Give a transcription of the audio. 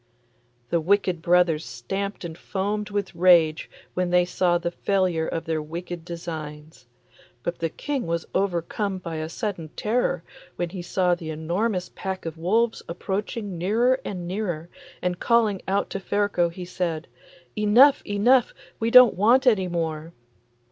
The wicked brothers stamped and foamed with rage when they saw the failure of their wicked designs. But the King was overcome by a sudden terror when he saw the enormous pack of wolves approaching nearer and nearer, and calling out to Ferko he said, 'Enough, enough, we don't want any more.